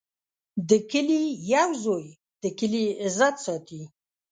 د کلي یو زوی د کلي عزت ساتي.